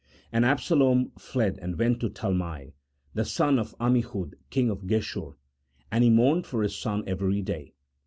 " And Absalom fled, and went to Talmai, the son of Ammihud, king of Geshur. And he mourned for his son every day.